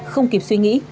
không kịp suy nghĩ